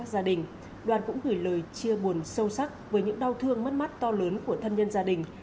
tại các gia đình đoàn cũng gửi lời chia buồn sâu sắc với những đau thương mất mắt to lớn của thân nhân gia đình